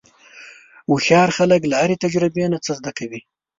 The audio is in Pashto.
هوښیار خلک له هرې تجربې نه څه زده کوي.